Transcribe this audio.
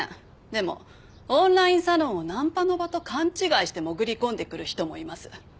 でもオンラインサロンをナンパの場と勘違いして潜り込んでくる人もいます。